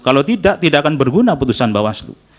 kalau tidak tidak akan berguna putusan bawaslu